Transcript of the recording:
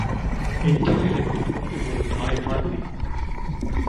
எச்சில் இலைக்குப் போட்டி போடும் நாய் மாதிரி.